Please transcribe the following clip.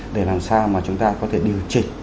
để làm sao mà chúng ta có thể điều chỉnh